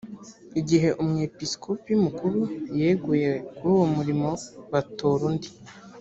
igihe umwepisikopi mukuru yeguye kuri uwo murimo batora undi.